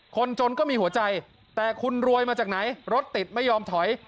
คนจนก็มีหัวใจแต่คุณรวยมาจากไหนรถติดไม่ยอมถอย